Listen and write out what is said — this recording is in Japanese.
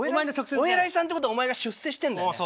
お偉いさんってことはお前が出世してんだよね。